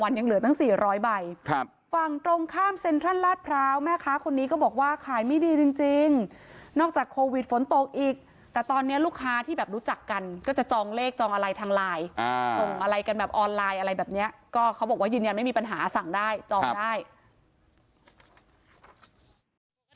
อ่าทงอะไรกันแบบออนไลน์อะไรแบบเนี้ยก็เขาบอกว่ายืนยังไม่มีปัญหาสั่งได้จองได้ครับ